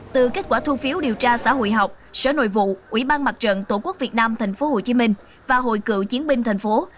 từ kết quả thu phiếu điều tra xã hội học sở nội vụ ủy ban mặt trận tổ quốc việt nam tp hcm và hội cựu chiến binh thành phố